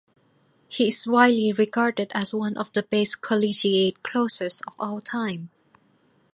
He is widely regarded as one of the best collegiate closers of all time.